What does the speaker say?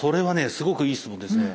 すごくいい質問ですね。